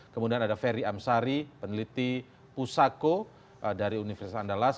kemudian ada ferry amsari peneliti pusako dari universitas andalas